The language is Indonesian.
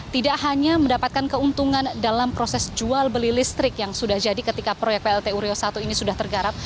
tidak hanya mendapatkan keuntungan dalam proses jual beli listrik yang sudah jadi ketika proyek plt uriau i ini sudah tergarap